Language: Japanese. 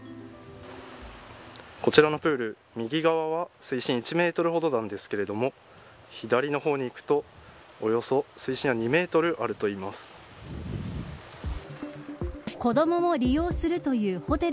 こちらのプール右側は水深１メートルほどなんですけれども左の方に行くと、およそ水深が２メートルあるといいます。